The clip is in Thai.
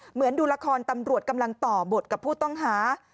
ดูละครตำรวจกำลังต่อบทกับผู้ต้องหา